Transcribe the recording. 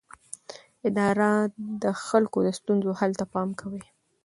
اداره د خلکو د ستونزو حل ته پام کوي.